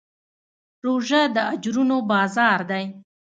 روژه د اجرونو بازار دی.